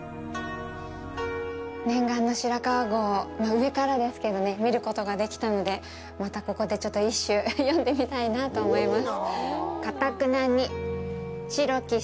念願の白川郷、上からですけどね見ることができたのでまたここで一首詠んでみたいなと思います。